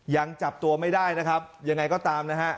ยังจับตัวไม่ได้นะครับยังไงก็ตามนะฮะ